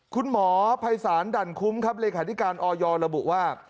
คุณหมอภัยศาลดั่นคุ้มครับเลขาธิการออยระบุว่า